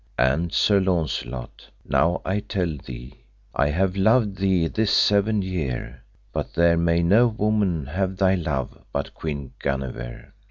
And, Sir Launcelot, now I tell thee, I have loved thee this seven year, but there may no woman have thy love but Queen Guenever.